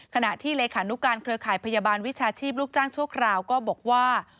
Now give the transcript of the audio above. ขณะที่เลขานุการเครือข่ายพยาบาลวิชาชีพลูกจ้างชั่วคราวก็บอกว่า